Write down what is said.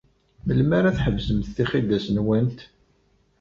Melmi ara tḥebsemt tixidas-nwent?